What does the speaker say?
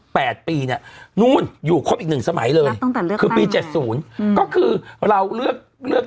แปดปีเนี่ยนู้นอยู่ครบอีกหนึ่งสมัยเลยตั้งแต่พี่เจ็ดศูนย์ก็คือเราเลือก